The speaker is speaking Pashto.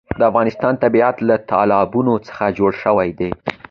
د افغانستان طبیعت له تالابونه څخه جوړ شوی دی.